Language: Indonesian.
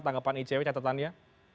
tanggapan icw catatannya